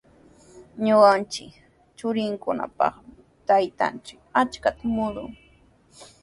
Ñuqanchik churinkunapaqmi taytanchik achkata murun.